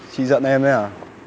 chị giận em thế à